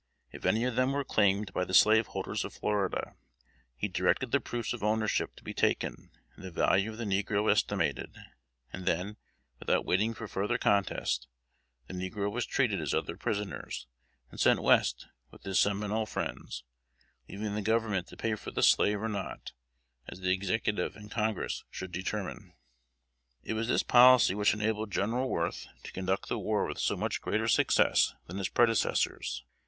If any of them were claimed by the slaveholders of Florida, he directed the proofs of ownership to be taken and the value of the negro estimated, and then, without waiting for further contest, the negro was treated as other prisoners, and sent West with his Seminole friends, leaving the Government to pay for the slave or not, as the Executive and Congress should determine. It was this policy which enabled General Worth to conduct the war with so much greater success than his predecessors.